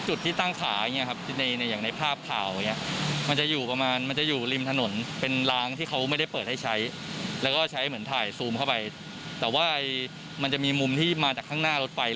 จุดที่ตั้งขาอย่างเงี้ยครับอย่างในภาพเผาอย่างเงี้ยมันจะอยู่ประมาณ